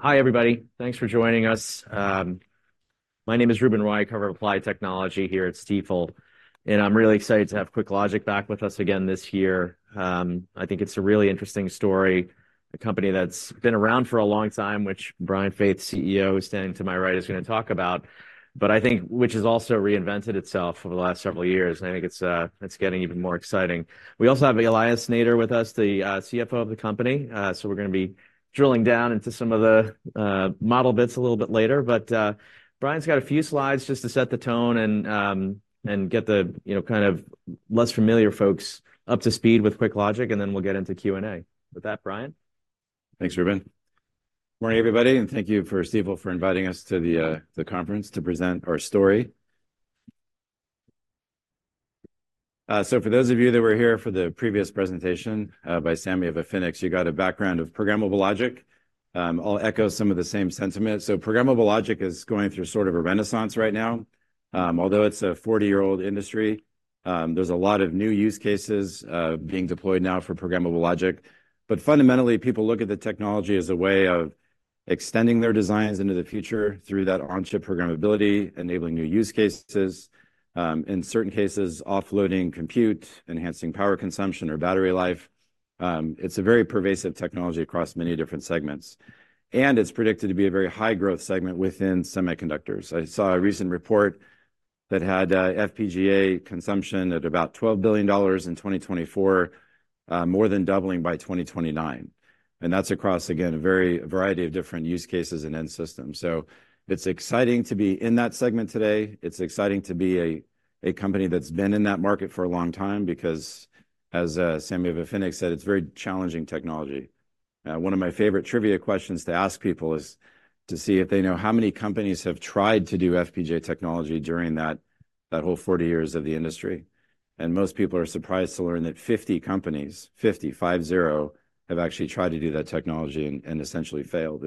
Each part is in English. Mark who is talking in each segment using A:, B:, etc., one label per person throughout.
A: Hi, everybody. Thanks for joining us. My name is Ruben Roy, I cover applied technology here at Stifel, and I'm really excited to have QuickLogic back with us again this year. I think it's a really interesting story, a company that's been around for a long time, which Brian Faith, CEO, standing to my right, is going to talk about, but I think which has also reinvented itself over the last several years, and I think it's getting even more exciting. We also have Elias Nader with us, the CFO of the company. So we're going to be drilling down into some of the model bits a little bit later. But, Brian's got a few slides just to set the tone and, and get the, you know, kind of less familiar folks up to speed with QuickLogic, and then we'll get into Q&A. With that, Brian?
B: Thanks, Ruben. Morning, everybody, and thank you to Stifel for inviting us to the conference to present our story. So for those of you that were here for the previous presentation by Sammy of Efinix, you got a background of programmable logic. I'll echo some of the same sentiments. So programmable logic is going through sort of a renaissance right now. Although it's a 40-year-old industry, there's a lot of new use cases being deployed now for programmable logic. But fundamentally, people look at the technology as a way of extending their designs into the future through that on-chip programmability, enabling new use cases, in certain cases, offloading compute, enhancing power consumption or battery life. It's a very pervasive technology across many different segments, and it's predicted to be a very high-growth segment within semiconductors. I saw a recent report that had FPGA consumption at about $12 billion in 2024, more than doubling by 2029, and that's across, again, a very variety of different use cases and end systems. So it's exciting to be in that segment today. It's exciting to be a company that's been in that market for a long time because, as Sammy of Efinix said, it's very challenging technology. One of my favorite trivia questions to ask people is to see if they know how many companies have tried to do FPGA technology during that whole 40 years of the industry. And most people are surprised to learn that 50 companies, 50, five zero, have actually tried to do that technology and essentially failed.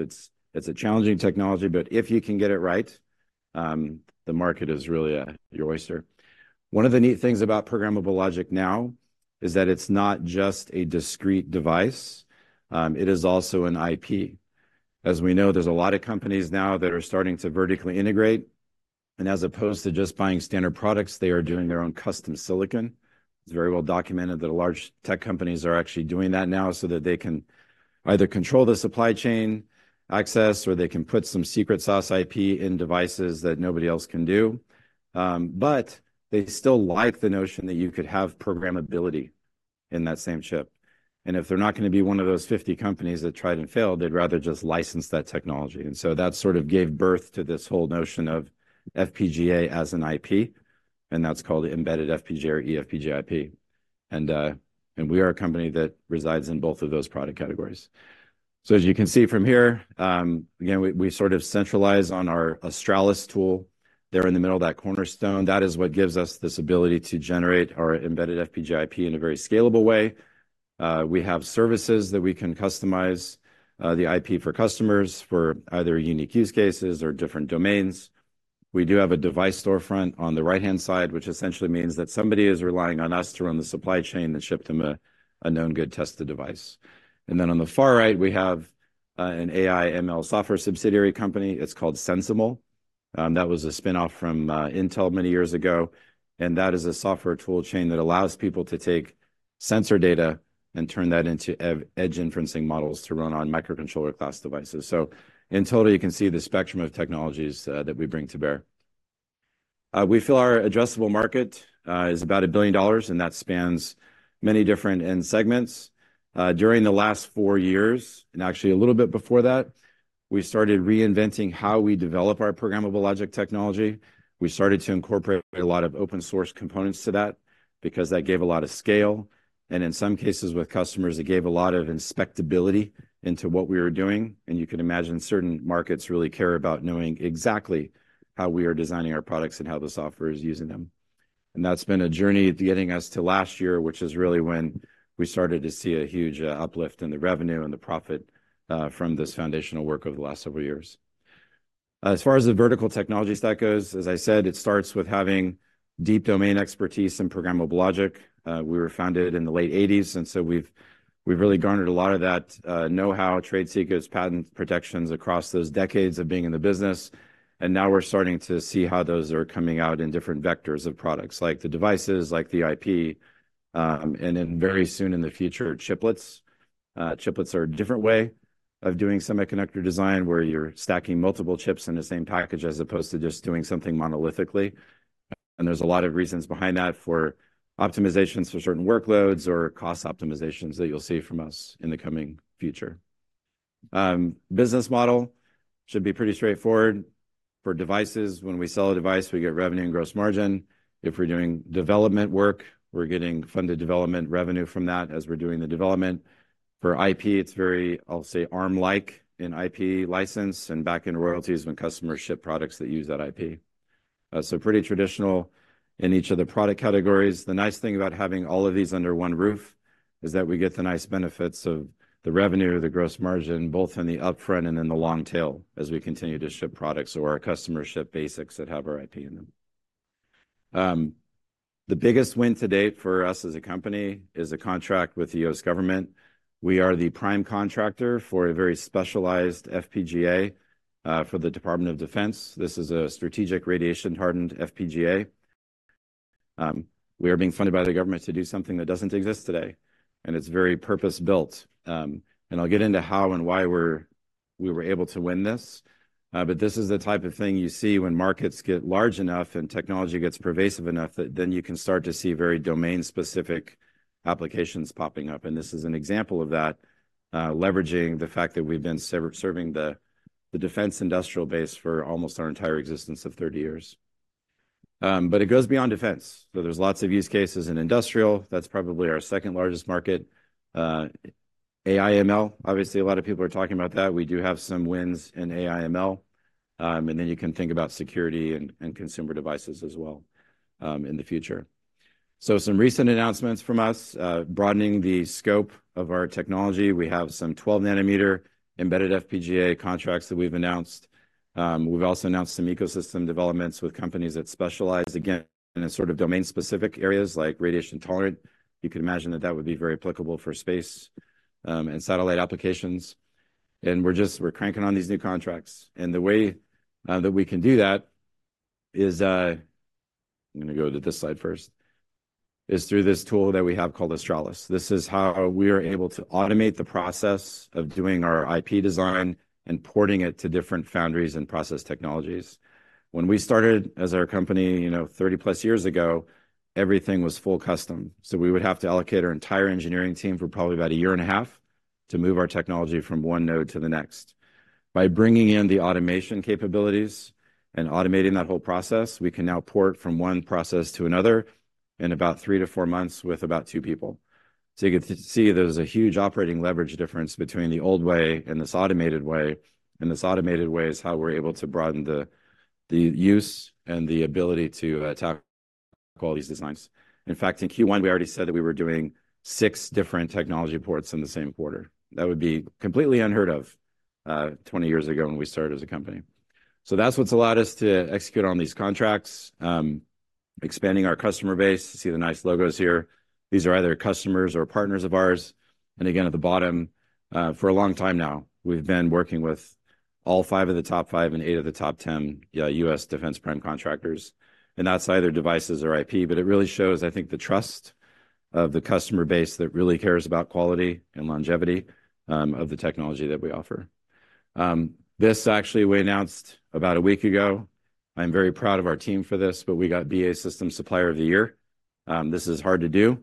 B: It's a challenging technology, but if you can get it right, the market is really, your oyster. One of the neat things about programmable logic now is that it's not just a discrete device, it is also an IP. As we know, there's a lot of companies now that are starting to vertically integrate, and as opposed to just buying standard products, they are doing their own custom silicon. It's very well documented that large tech companies are actually doing that now so that they can either control the supply chain access, or they can put some secret sauce IP in devices that nobody else can do. But they still like the notion that you could have programmability in that same chip, and if they're not going to be one of those 50 companies that tried and failed, they'd rather just license that technology. And so that sort of gave birth to this whole notion of FPGA as an IP, and that's called Embedded FPGA or eFPGA IP. And we are a company that resides in both of those product categories. So as you can see from here, again, we sort of centralize on our Australis tool there in the middle of that cornerstone. That is what gives us this ability to generate our embedded FPGA IP in a very scalable way. We have services that we can customize the IP for customers for either unique use cases or different domains. We do have a device storefront on the right-hand side, which essentially means that somebody is relying on us to run the supply chain and ship them a known good tested device. And then on the far right, we have an AI/ML software subsidiary company. It's called SensiML. That was a spinoff from Intel many years ago, and that is a software tool chain that allows people to take sensor data and turn that into edge inferencing models to run on microcontroller class devices. So in total, you can see the spectrum of technologies that we bring to bear. We feel our addressable market is about $1 billion, and that spans many different end segments. During the last four years, and actually a little bit before that, we started reinventing how we develop our programmable logic technology. We started to incorporate a lot of open-source components to that because that gave a lot of scale, and in some cases, with customers, it gave a lot of inspectability into what we were doing. You can imagine certain markets really care about knowing exactly how we are designing our products and how the software is using them. That's been a journey getting us to last year, which is really when we started to see a huge uplift in the revenue and the profit from this foundational work over the last several years. As far as the vertical technology stack goes, as I said, it starts with having deep domain expertise in programmable logic. We were founded in the late eighties, and so we've really garnered a lot of that know-how, trade secrets, patent protections across those decades of being in the business. Now we're starting to see how those are coming out in different vectors of products, like the devices, like the IP, and then very soon in the future, chiplets. Chiplets are a different way of doing semiconductor design, where you're stacking multiple chips in the same package as opposed to just doing something monolithically. There's a lot of reasons behind that for optimizations for certain workloads or cost optimizations that you'll see from us in the coming future. Business model should be pretty straightforward. For devices, when we sell a device, we get revenue and gross margin. If we're doing development work, we're getting funded development revenue from that as we're doing the development. For IP, it's very, I'll say, Arm-like in IP license and back-end royalties when customers ship products that use that IP. So pretty traditional in each of the product categories. The nice thing about having all of these under one roof is that we get the nice benefits of the revenue, the gross margin, both in the upfront and in the long tail as we continue to ship products or our customers ship ASICs that have our IP in them. The biggest win to date for us as a company is a contract with the U.S. government. We are the prime contractor for a very specialized FPGA for the Department of Defense. This is a strategic radiation-hardened FPGA. We are being funded by the government to do something that doesn't exist today, and it's very purpose-built. And I'll get into how and why we're- we were able to win this. But this is the type of thing you see when markets get large enough and technology gets pervasive enough, that then you can start to see very domain-specific applications popping up, and this is an example of that. Leveraging the fact that we've been serving the defense industrial base for almost our entire existence of 30 years. But it goes beyond defense. So there's lots of use cases in industrial. That's probably our second-largest market. AI/ML, obviously, a lot of people are talking about that. We do have some wins in AI/ML. And then you can think about security and consumer devices as well, in the future. So some recent announcements from us, broadening the scope of our technology. We have some 12-nanometer embedded FPGA contracts that we've announced. We've also announced some ecosystem developments with companies that specialize, again, in sort of domain-specific areas, like radiation-tolerant. You could imagine that that would be very applicable for space, and satellite applications. We're just-- we're cranking on these new contracts, and the way that we can do that is... I'm gonna go to this slide first, is through this tool that we have called Australis. This is how we are able to automate the process of doing our IP design and porting it to different foundries and process technologies. When we started as our company, you know, 30+ years ago, everything was full custom, so we would have to allocate our entire engineering team for probably about a year and a half to move our technology from one node to the next. By bringing in the automation capabilities and automating that whole process, we can now port from one process to another in about 3-4 months with about 2 people. So you can see there's a huge operating leverage difference between the old way and this automated way, and this automated way is how we're able to broaden the, the use and the ability to tackle these designs. In fact, in Q1, we already said that we were doing 6 different technology ports in the same quarter. That would be completely unheard of 20 years ago when we started as a company. So that's what's allowed us to execute on these contracts, expanding our customer base. You see the nice logos here. These are either customers or partners of ours. Again, at the bottom, for a long time now, we've been working with all 5 of the top 5 and 8 of the top 10 U.S. defense prime contractors, and that's either devices or IP, but it really shows, I think, the trust of the customer base that really cares about quality and longevity of the technology that we offer. This actually we announced about a week ago. I'm very proud of our team for this, but we got BAE Systems Supplier of the Year. This is hard to do,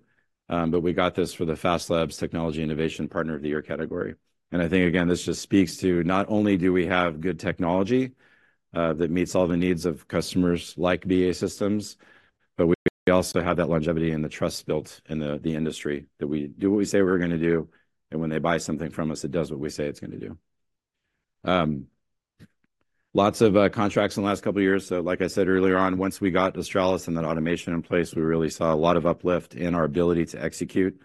B: but we got this for the FAST Labs Technology Innovation Partner of the Year category. And I think, again, this just speaks to not only do we have good technology that meets all the needs of customers like BAE Systems, but we also have that longevity and the trust built in the industry, that we do what we say we're gonna do, and when they buy something from us, it does what we say it's gonna do. Lots of contracts in the last couple of years. So like I said earlier on, once we got Australis and that automation in place, we really saw a lot of uplift in our ability to execute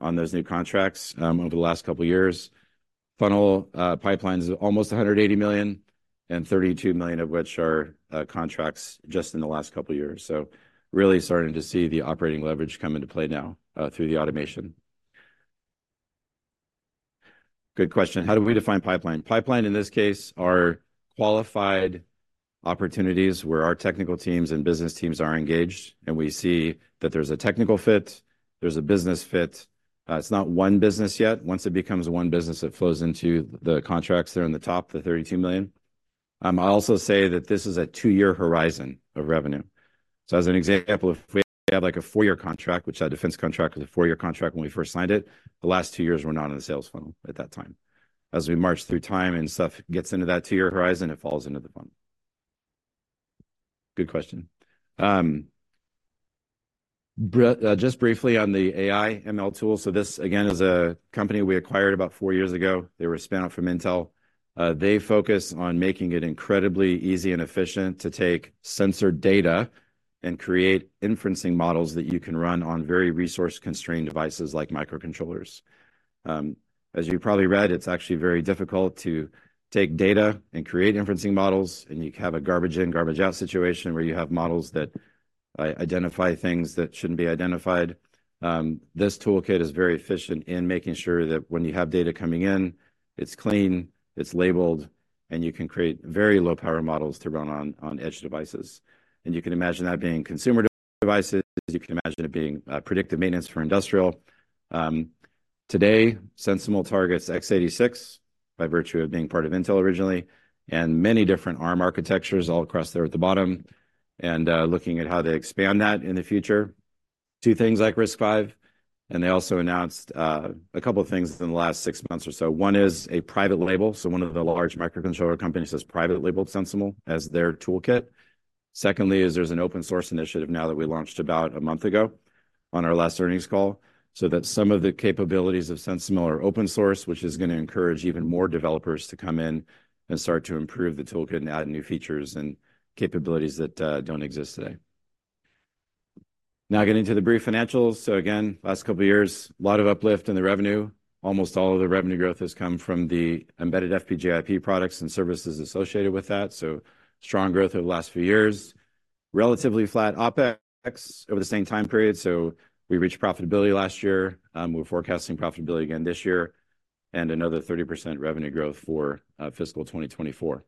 B: on those new contracts over the last couple of years. Funnel pipeline's almost $180 million, and $32 million of which are contracts just in the last couple of years. So really starting to see the operating leverage come into play now, through the automation. Good question: "How do we define pipeline?" Pipeline, in this case, are qualified opportunities where our technical teams and business teams are engaged, and we see that there's a technical fit, there's a business fit. It's not one business yet. Once it becomes one business, it flows into the contracts that are in the top, the $32 million. I'll also say that this is a 2-year horizon of revenue. So as an example, if we have, like, a 4-year contract, which that defense contract was a 4-year contract when we first signed it, the last 2 years were not in the sales funnel at that time. As we march through time and stuff gets into that 2-year horizon, it falls into the funnel. Good question. Just briefly on the AI/ML tool, so this, again, is a company we acquired about 4 years ago. They were spun out from Intel. They focus on making it incredibly easy and efficient to take sensor data and create inferencing models that you can run on very resource-constrained devices like microcontrollers. As you probably read, it's actually very difficult to take data and create inferencing models, and you have a garbage in, garbage out situation where you have models that identify things that shouldn't be identified. This toolkit is very efficient in making sure that when you have data coming in, it's clean, it's labeled, and you can create very low-power models to run on edge devices. And you can imagine that being consumer devices. You can imagine it being predictive maintenance for industrial. Today, SensiML targets x86 by virtue of being part of Intel originally, and many different Arm architectures all across there at the bottom, and looking at how to expand that in the future to things like RISC-V. And they also announced a couple of things in the last six months or so. One is a private label, so one of the large microcontroller companies has private-labeled SensiML as their toolkit. Secondly is there's an open-source initiative now that we launched about a month ago on our last earnings call, so that some of the capabilities of SensiML are open source, which is gonna encourage even more developers to come in and start to improve the toolkit and add new features and capabilities that don't exist today. Now getting to the brief financials. So again, last couple years, a lot of uplift in the revenue. Almost all of the revenue growth has come from the embedded FPGA IP products and services associated with that, so strong growth over the last few years. Relatively flat OpEx over the same time period, so we reached profitability last year. We're forecasting profitability again this year, and another 30% revenue growth for fiscal 2024.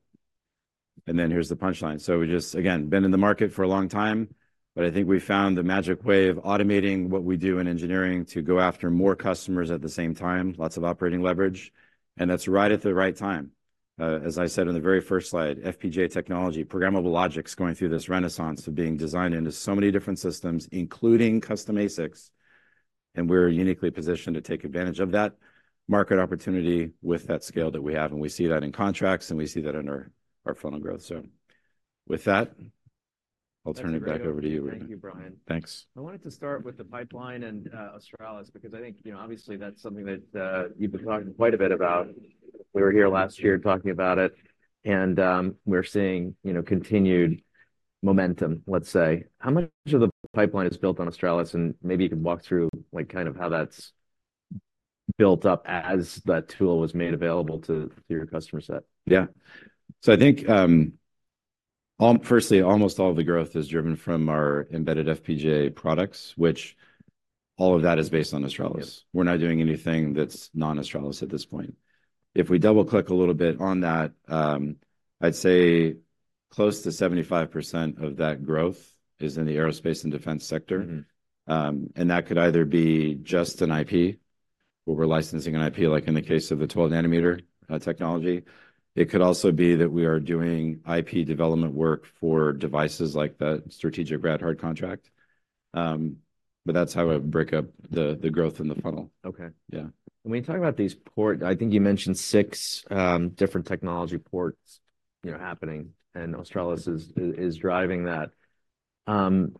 B: And then here's the punchline. So we've just, again, been in the market for a long time, but I think we've found the magic way of automating what we do in engineering to go after more customers at the same time, lots of operating leverage, and that's right at the right time. As I said in the very first slide, FPGA technology, programmable logic's going through this renaissance of being designed into so many different systems, including custom ASICs, and we're uniquely positioned to take advantage of that market opportunity with that scale that we have. And we see that in contracts, and we see that in our, our funnel growth. So with that, I'll turn it back over to you, Brian.
A: Thank you, Brian.
B: Thanks.
A: I wanted to start with the pipeline and Australis, because I think, you know, obviously, that's something that you've been talking quite a bit about. We were here last year talking about it, and we're seeing, you know, continued momentum, let's say. How much of the pipeline is built on Australis? And maybe you can walk through, like, kind of how that's built up as that tool was made available to your customer set.
B: Yeah. So I think, firstly, almost all the growth is driven from our embedded FPGA products, which all of that is based on Australis.
A: Yep.
B: We're not doing anything that's non-Australis at this point. If we double-click a little bit on that, I'd say close to 75% of that growth is in the aerospace and defense sector.
A: Mm-hmm.
B: That could either be just an IP, where we're licensing an IP, like in the case of a 12-nanometer technology. It could also be that we are doing IP development work for devices like the strategic Rad-Hard contract. That's how I break up the growth in the funnel.
A: Okay.
B: Yeah.
A: When you talk about these ports, I think you mentioned six different technology ports, you know, happening, and Australis is driving that. Can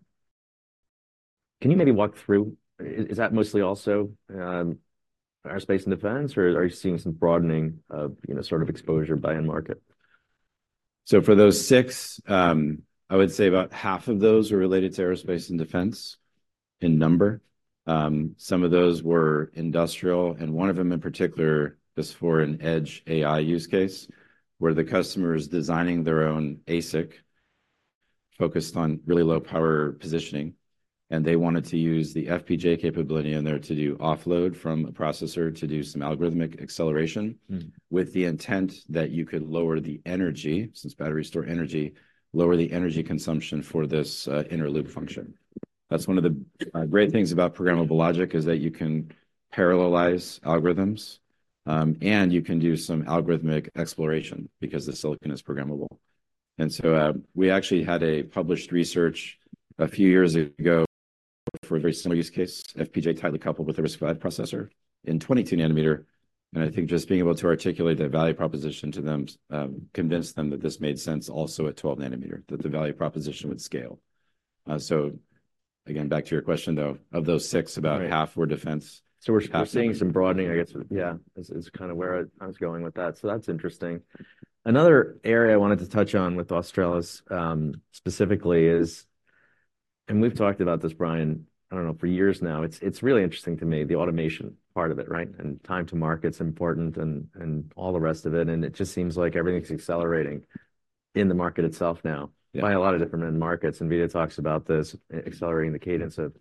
A: you maybe walk through? Is that mostly also aerospace and defense, or are you seeing some broadening of, you know, sort of exposure by end market?
B: So for those six, I would say about half of those are related to aerospace and defense in number. Some of those were industrial, and one of them in particular is for an edge AI use case, where the customer is designing their own ASIC focused on really low-power positioning, and they wanted to use the FPGA capability in there to do offload from a processor to do some algorithmic acceleration-
A: Mm.
B: With the intent that you could lower the energy, since batteries store energy, lower the energy consumption for this inner loop function. That's one of the great things about programmable logic, is that you can parallelize algorithms, and you can do some algorithmic exploration because the silicon is programmable. And so, we actually had a published research a few years ago for a very similar use case, FPGA tightly coupled with a RISC-V processor in 22-nm, and I think just being able to articulate the value proposition to them convinced them that this made sense also at 12-nm, that the value proposition would scale. So again, back to your question, though, of those six-
A: Right...
B: about half were defense.
A: So we're seeing some broadening, I guess, yeah, is kind of where I was going with that, so that's interesting. Another area I wanted to touch on with Australis specifically is, and we've talked about this, Brian, I don't know, for years now. It's really interesting to me, the automation part of it, right? And time to market's important and all the rest of it, and it just seems like everything's accelerating in the market itself now.
B: Yeah...
A: by a lot of different end markets. NVIDIA talks about this, accelerating the cadence of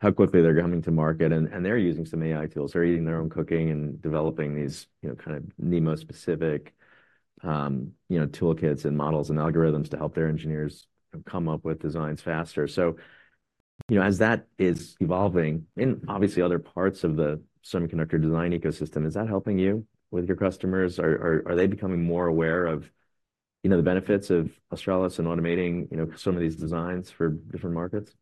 A: how quickly they're coming to market, and they're using some AI tools. They're eating their own cooking and developing these, you know, kind of NeMo specific, you know, toolkits and models and algorithms to help their engineers come up with designs faster. So, you know, as that is evolving, in obviously other parts of the semiconductor design ecosystem, is that helping you with your customers? Are they becoming more aware of, you know, the benefits of Australis and automating, you know, some of these designs for different markets?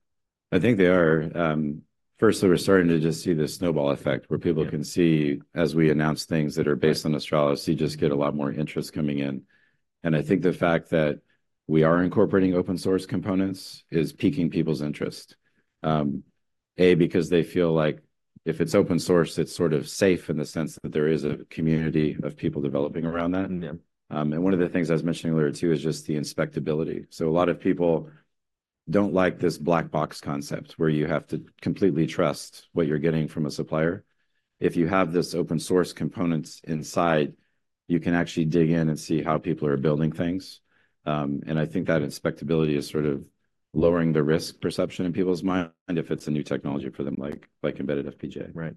B: I think they are. Firstly, we're starting to just see the snowball effect, where people-
A: Yeah...
B: can see, as we announce things that are based on Australis, you just get a lot more interest coming in. And I think the fact that we are incorporating open-source components is piquing people's interest, because they feel like if it's open-source, it's sort of safe in the sense that there is a community of people developing around that.
A: Mm-hmm.
B: One of the things I was mentioning earlier, too, is just the inspectability. So a lot of people don't like this black box concept, where you have to completely trust what you're getting from a supplier. If you have this open-source components inside, you can actually dig in and see how people are building things. I think that inspectability is sort of lowering the risk perception in people's mind if it's a new technology for them, like embedded FPGA.
A: Right. Are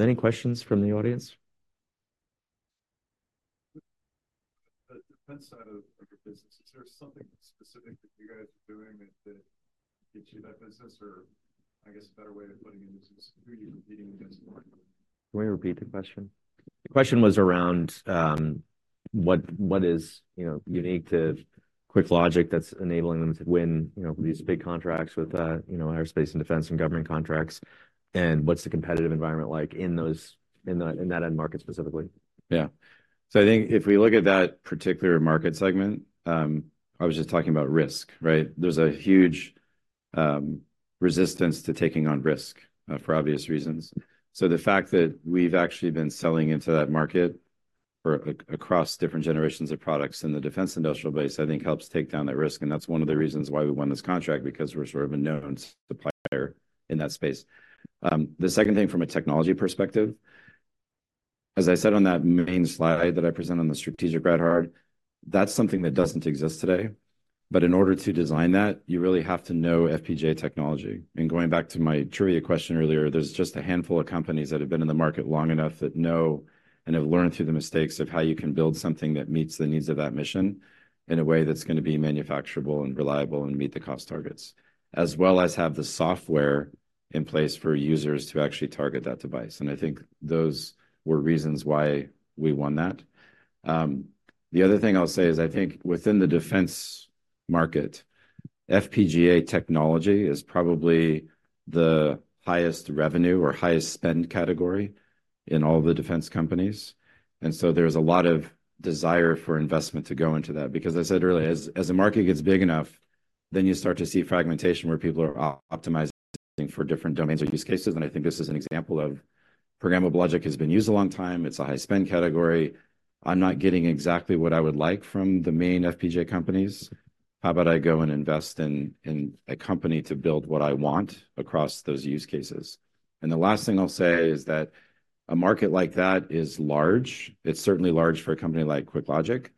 A: there any questions from the audience?
C: The defense side of your business, is there something specific that you guys are doing that gets you that business? Or I guess a better way of putting it is, who are you competing against?
B: Can we repeat the question?
A: The question was around what is, you know, unique to QuickLogic that's enabling them to win, you know, these big contracts with, you know, aerospace and defense and government contracts, and what's the competitive environment like in that end market specifically?
B: Yeah. So I think if we look at that particular market segment, I was just talking about risk, right? There's a huge resistance to taking on risk for obvious reasons. So the fact that we've actually been selling into that market or across different generations of products in the defense industrial base, I think helps take down that risk, and that's one of the reasons why we won this contract, because we're sort of a known supplier in that space. The second thing from a technology perspective, as I said on that main slide that I presented on the strategic Rad-Hard, that's something that doesn't exist today. But in order to design that, you really have to know FPGA technology. Going back to my trivia question earlier, there's just a handful of companies that have been in the market long enough that know and have learned through the mistakes of how you can build something that meets the needs of that mission in a way that's going to be manufacturable and reliable and meet the cost targets, as well as have the software in place for users to actually target that device. I think those were reasons why we won that. The other thing I'll say is, I think within the defense market, FPGA technology is probably the highest revenue or highest spend category in all the defense companies, and so there's a lot of desire for investment to go into that. Because I said earlier, as the market gets big enough, then you start to see fragmentation, where people are optimizing for different domains or use cases, and I think this is an example of programmable logic has been used a long time. It's a high-spend category. I'm not getting exactly what I would like from the main FPGA companies. How about I go and invest in a company to build what I want across those use cases? And the last thing I'll say is that a market like that is large. It's certainly large for a company like QuickLogic.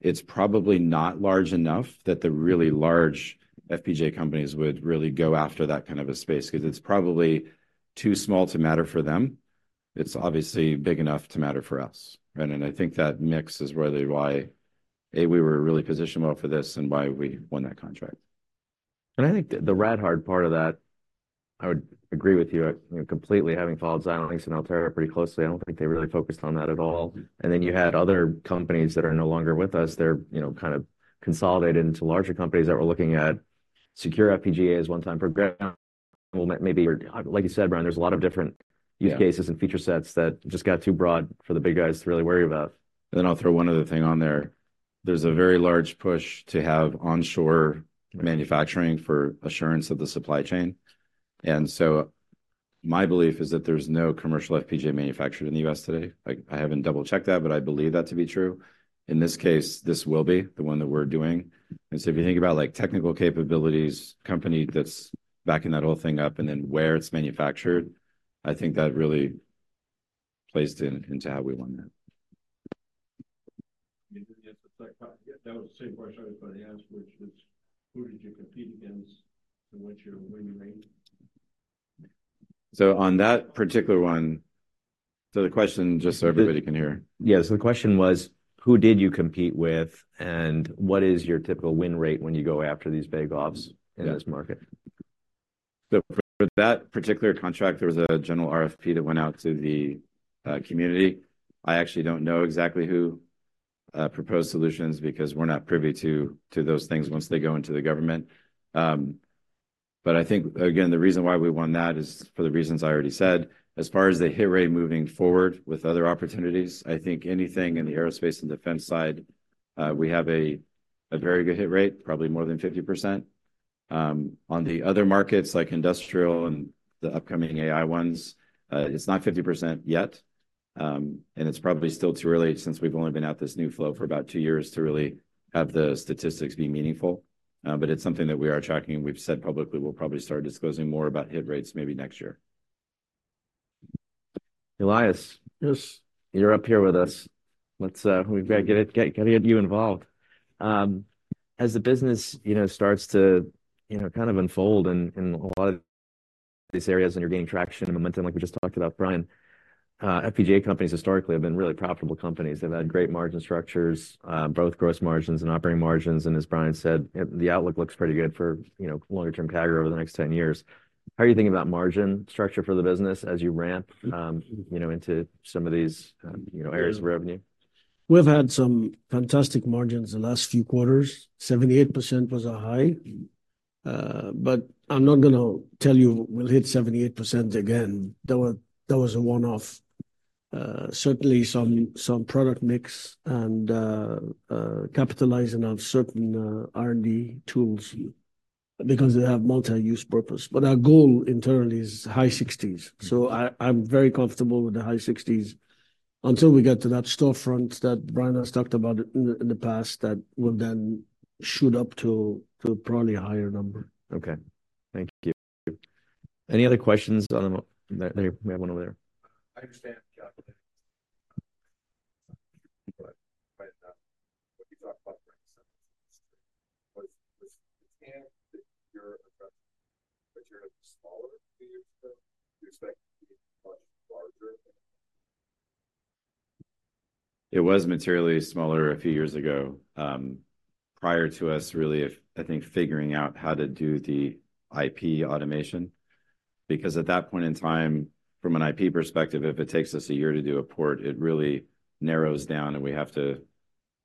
B: It's probably not large enough that the really large FPGA companies would really go after that kind of a space, 'cause it's probably too small to matter for them. It's obviously big enough to matter for us, and I think that mix is really why we were really positioned well for this and why we won that contract.
A: I think the Rad-Hard part of that, I would agree with you, you know, completely, having followed Xilinx and Altera pretty closely. I don't think they really focused on that at all. Then, you had other companies that are no longer with us. They're, you know, kind of consolidated into larger companies that were looking at secure FPGA as one-time programmable. Well, maybe, like you said, Brian, there's a lot of different-
B: Yeah...
A: use cases and feature sets that just got too broad for the big guys to really worry about.
B: And then, I'll throw one other thing on there. There's a very large push to have onshore manufacturing-
A: Right...
B: for assurance of the supply chain, and so my belief is that there's no commercial FPGA manufactured in the U.S. today. Like, I haven't double-checked that, but I believe that to be true. In this case, this will be, the one that we're doing. And so if you think about, like, technical capabilities, company that's backing that whole thing up and then where it's manufactured, I think that really placed in, into how we won that.
D: Yeah, that was the same question I was going to ask, which was: Who did you compete against, and what's your win rate?
A: So on that particular one-
B: The question, just so everybody can hear.
A: Yeah, so the question was, who did you compete with, and what is your typical win rate when you go after these big opps in this market?
B: So for that particular contract, there was a general RFP that went out to the community. I actually don't know exactly who proposed solutions, because we're not privy to those things once they go into the government. But I think, again, the reason why we won that is for the reasons I already said. As far as the hit rate moving forward with other opportunities, I think anything in the aerospace and defense side, we have a very good hit rate, probably more than 50%. On the other markets, like industrial and the upcoming AI ones, it's not 50% yet, and it's probably still too early, since we've only been at this new flow for about two years, to really have the statistics be meaningful. But it's something that we are tracking, and we've said publicly we'll probably start disclosing more about hit rates maybe next year.
A: Elias?
E: Yes.
A: You're up here with us. Let's... We've got to get it, got to get you involved. As the business, you know, starts to, you know, kind of unfold in a lot of these areas, and you're gaining traction and momentum, like we just talked about, Brian, FPGA companies historically have been really profitable companies. They've had great margin structures, both gross margins and operating margins, and as Brian said, the outlook looks pretty good for, you know, longer term CAGR over the next 10 years. How are you thinking about margin structure for the business as you ramp, you know, into some of these, you know, areas of revenue?
E: We've had some fantastic margins the last few quarters. 78% was our high, but I'm not going to tell you we'll hit 78% again. That was, that was a one-off. Certainly some, some product mix and, capitalizing on certain, R&D tools because they have multi-use purpose. But our goal internally is high 60s, so I, I'm very comfortable with the high 60s until we get to that storefront that Brian has talked about in the, in the past, that will then shoot up to, to probably a higher number.
A: Okay. Thank you. Any other questions? I don't know. There, we have one over there.
F: I understand, yeah, but when you talk about bringing something to the industry, what's the end that you're addressing, but you're smaller a few years ago. Do you expect to be much larger?
B: It was materially smaller a few years ago, prior to us really, I think, figuring out how to do the IP automation, because at that point in time, from an IP perspective, if it takes us a year to do a port, it really narrows down, and we have to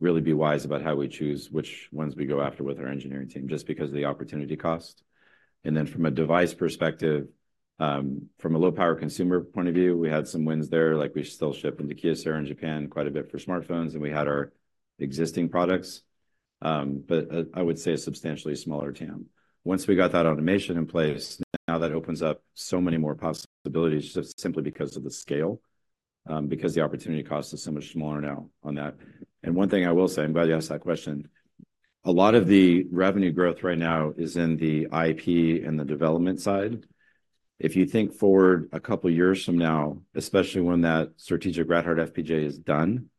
B: really be wise about how we choose which ones we go after with our engineering team, just because of the opportunity cost. And then, from a device perspective, from a low-power consumer point of view, we had some wins there. Like, we still ship into Kyocera in Japan quite a bit for smartphones, and we had our existing products, but I would say a substantially smaller TAM. Once we got that automation in place, now that opens up so many more possibilities just simply because of the scale, because the opportunity cost is so much smaller now on that. And one thing I will say, I'm glad you asked that question, a lot of the revenue growth right now is in the IP and the development side. If you think forward a couple of years from now, especially when that strategic Rad-Hard FPGA is done,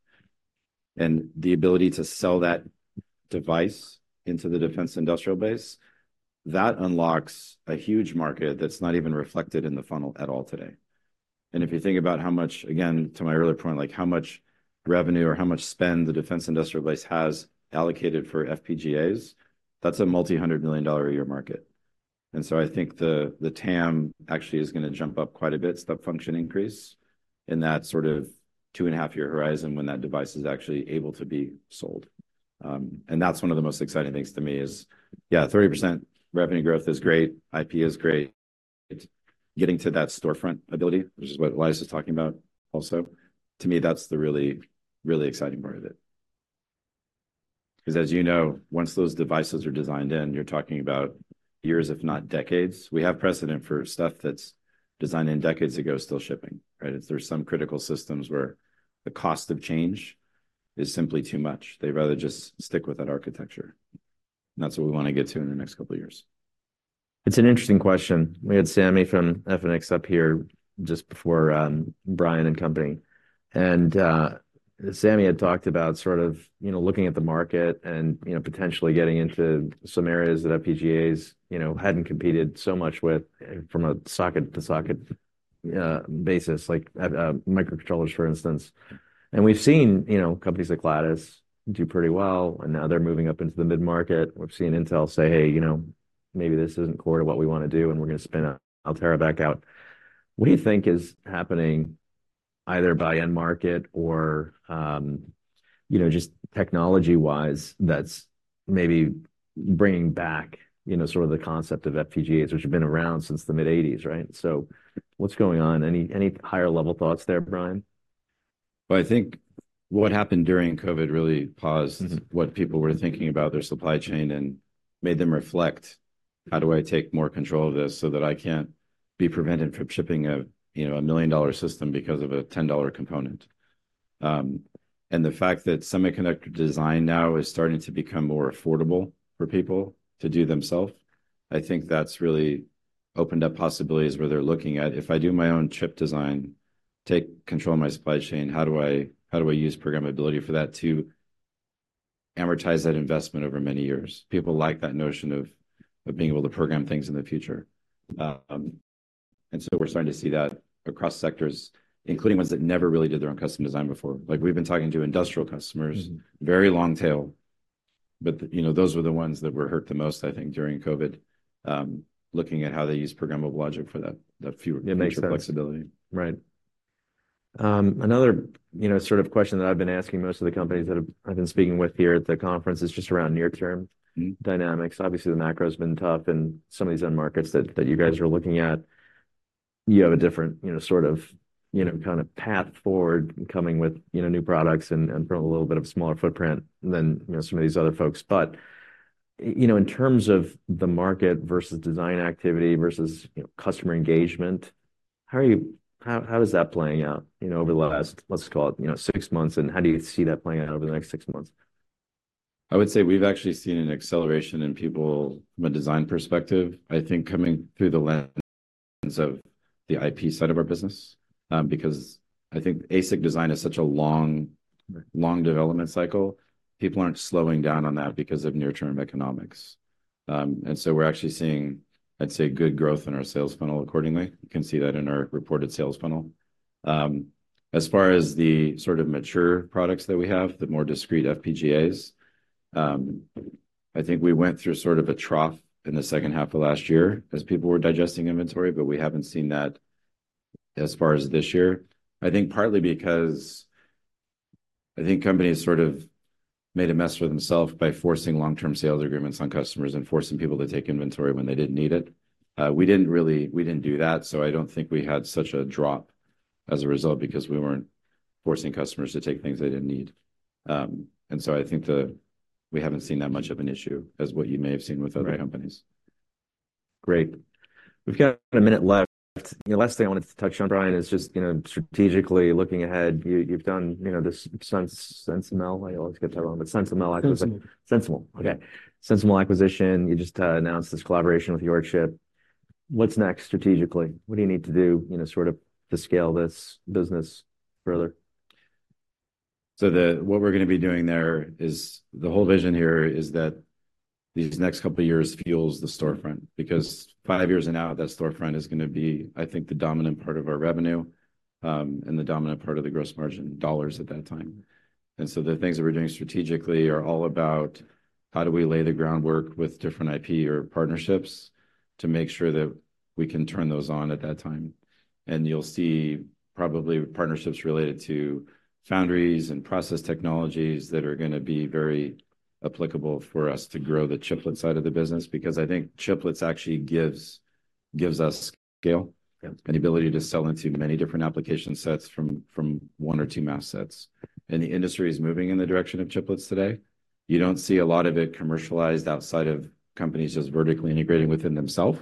B: and the ability to sell that device into the defense industrial base, that unlocks a huge market that's not even reflected in the funnel at all today. And if you think about how much, again, to my earlier point, like, how much revenue or how much spend the defense industrial base has allocated for FPGAs, that's a multi-hundred million dollar a year market. And so I think the TAM actually is going to jump up quite a bit, step function increase, in that sort of 2.5-year horizon when that device is actually able to be sold. And that's one of the most exciting things to me, is, yeah, 30% revenue growth is great, IP is great. It's getting to that storefront ability, which is what Elias was talking about also, to me, that's the really, really exciting part of it. 'Cause as you know, once those devices are designed in, you're talking about years, if not decades. We have precedent for stuff that's designed in decades ago, still shipping, right? It's, there's some critical systems where the cost of change is simply too much. They'd rather just stick with that architecture, and that's what we want to get to in the next couple of years.
A: It's an interesting question. We had Sammy from Efinix up here just before, Brian and company, and Sammy had talked about sort of, you know, looking at the market and, you know, potentially getting into some areas that FPGAs, you know, hadn't competed so much with from a socket-to-socket basis, like microcontrollers, for instance. And we've seen, you know, companies like Lattice do pretty well, and now they're moving up into the mid-market. We've seen Intel say, "Hey, you know, maybe this isn't core to what we want to do, and we're going to spin Altera back out." What do you think is happening, either by end market or, you know, just technology-wise, that's maybe bringing back, you know, sort of the concept of FPGAs, which have been around since the mid-1980s, right? So what's going on? Any higher-level thoughts there, Brian?
B: Well, I think what happened during COVID really paused-
A: Mm-hmm.
B: What people were thinking about their supply chain and made them reflect, "How do I take more control of this so that I can't be prevented from shipping a, you know, a million-dollar system because of a ten-dollar component?" And the fact that semiconductor design now is starting to become more affordable for people to do themself, I think that's really opened up possibilities where they're looking at, "If I do my own chip design, take control of my supply chain, how do I, how do I use programmability for that to amortize that investment over many years?" People like that notion of, of being able to program things in the future. And so we're starting to see that across sectors, including ones that never really did their own custom design before. Like, we've been talking to industrial customers-
A: Mm.
B: very long tail, but, you know, those were the ones that were hurt the most, I think, during COVID, looking at how they use programmable logic for that, that fewer-
A: It makes sense.
B: -flexibility.
A: Right. Another, you know, sort of question that I've been asking most of the companies that I've been speaking with here at the conference is just around near-term-
B: Mm...
A: dynamics. Obviously, the macro has been tough in some of these end markets that you guys are looking at. You have a different, you know, sort of, you know, kind of path forward coming with, you know, new products and from a little bit of a smaller footprint than, you know, some of these other folks. But, you know, in terms of the market versus design activity versus, you know, customer engagement, how is that playing out, you know, over the last, let's call it, you know, six months, and how do you see that playing out over the next six months?
B: I would say we've actually seen an acceleration in people from a design perspective, I think, coming through the lens of the IP side of our business. Because I think ASIC design is such a long-
A: Right...
B: long development cycle, people aren't slowing down on that because of near-term economics. And so we're actually seeing, I'd say, good growth in our sales funnel accordingly. You can see that in our reported sales funnel. As far as the sort of mature products that we have, the more discrete FPGAs, I think we went through sort of a trough in the second half of last year as people were digesting inventory, but we haven't seen that as far as this year. I think partly because I think companies sort of made a mess for themselves by forcing long-term sales agreements on customers and forcing people to take inventory when they didn't need it. We didn't do that, so I don't think we had such a drop as a result, because we weren't forcing customers to take things they didn't need. And so I think we haven't seen that much of an issue as what you may have seen with other companies.
A: Great. We've got a minute left. The last thing I wanted to touch on, Brian, is just, you know, strategically looking ahead, you, you've done, you know, this SensiML, SensiML, I always get that wrong, but SensiML-
B: Sensible.
A: Sensible, okay. Sensible acquisition. You just announced this collaboration with YorChip. What's next strategically? What do you need to do, you know, sort of to scale this business further?
B: So what we're going to be doing there is, the whole vision here is that these next couple of years fuels the storefront, because five years from now, that storefront is going to be, I think, the dominant part of our revenue, and the dominant part of the gross margin dollars at that time. And so the things that we're doing strategically are all about how do we lay the groundwork with different IP or partnerships to make sure that we can turn those on at that time. And you'll see probably partnerships related to foundries and process technologies that are going to be very applicable for us to grow the chiplet side of the business, because I think chiplets actually gives us scale.
A: Yeah...
B: and ability to sell into many different application sets from one or two mask sets. And the industry is moving in the direction of chiplets today. You don't see a lot of it commercialized outside of companies just vertically integrating within themselves,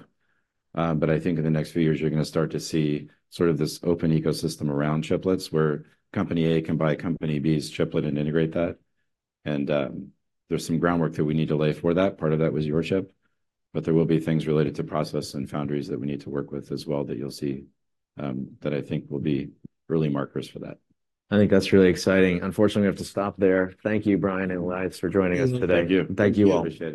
B: but I think in the next few years, you're going to start to see sort of this open ecosystem around chiplets, where Company A can buy Company B's chiplet and integrate that. And, there's some groundwork that we need to lay for that. Part of that was YorChip, but there will be things related to process and foundries that we need to work with as well, that you'll see, that I think will be early markers for that.
A: I think that's really exciting. Unfortunately, we have to stop there. Thank you, Brian and Elias, for joining us today.
B: Thank you.
A: Thank you all.
B: Appreciate it.